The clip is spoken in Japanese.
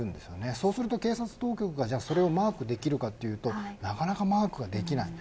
そうすると警察当局がそれをマークできるかというとなかなかマークできません。